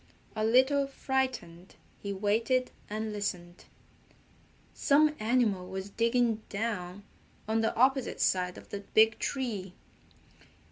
A little frightened, he waited and listened. Some animal was digging down on the opposite side of the big tree.